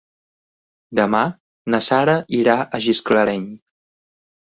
Demà na Sara irà a Gisclareny.